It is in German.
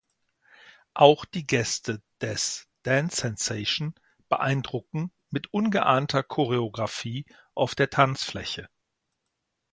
Auch die Gäste des „Dance Sensation“ beeindrucken mit ungeahnter Choreographie auf der Tanzfläche.